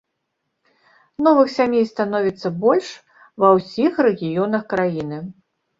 Новых сямей становіцца больш ва ўсіх рэгіёнах краіны.